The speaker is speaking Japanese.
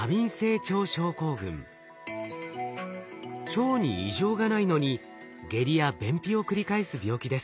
腸に異常がないのに下痢や便秘を繰り返す病気です。